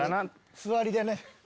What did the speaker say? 座りでね。